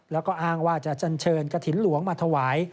แล้วก็อ้างว่าจะจันเชิญกระถิ่นหลวงมาถวาย